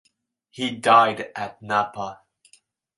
He died at Napa.